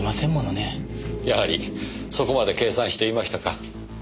やはりそこまで計算していましたか。